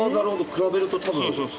比べると多分。